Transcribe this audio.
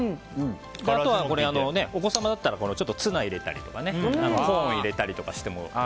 あとはお子様だったらツナを入れたりとかコーンを入れたりしても。